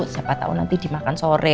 siapa tahu nanti dimakan sore